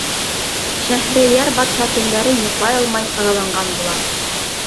Шәһрейәр батша төндәрен йоҡлай алмай ыҙаланған була.